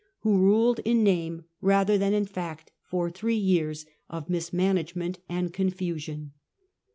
He ruled in name rather than in fact for taniat'e's, °' three years of mismanagement and confusion.